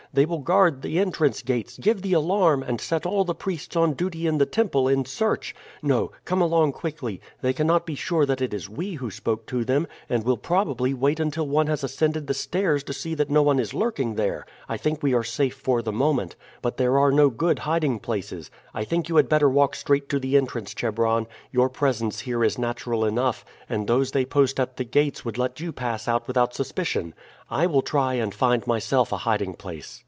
They will guard the entrance gates, give the alarm, and set all the priests on duty in the temple in search. No, come along quickly. They cannot be sure that it is we who spoke to them, and will probably wait until one has ascended the stairs to see that no one is lurking there. I think we are safe for the moment; but there are no good hiding places. I think you had better walk straight to the entrance, Chebron. Your presence here is natural enough, and those they post at the gates would let you pass out without suspicion. I will try and find myself a hiding place."